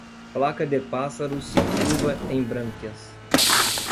Placa de pássaros, chuva em brânquias.